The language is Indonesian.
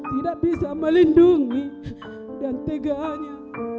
tidak bisa melindungi dan teganya